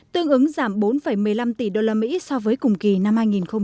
tương ứng giảm bốn một mươi năm tỷ usd so với cùng kỳ năm hai nghìn một mươi chín